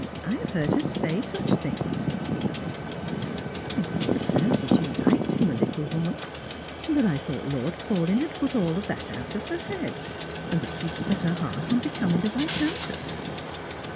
I have heard her say such things !"" I used to fancy she liked him a little once, but I thought Lord Paulyn had put all that out of her head, and that she had set her heart upon becoming a viscountess."